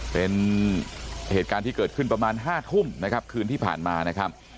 เป็นเหตุการณ์ที่เกิดขึ้นประมาณ๕ทุ่มนะครับคืนที่ผ่านมานะครับ